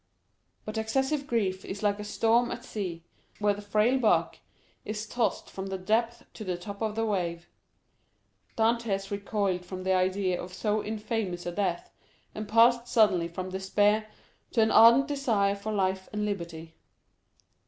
But excessive grief is like a storm at sea, where the frail bark is tossed from the depths to the top of the wave. Dantès recoiled from the idea of so infamous a death, and passed suddenly from despair to an ardent desire for life and liberty.